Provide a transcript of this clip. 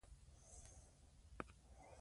انشاءالله.